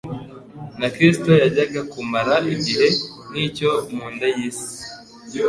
na Kristo yajyaga kumara igihe nk'icyo mu nda y'isi.